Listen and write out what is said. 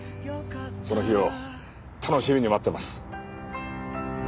その日を楽しみに待ってます。